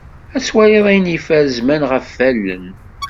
Ad twaliḍ ayen yeffer zzman ɣef wallen.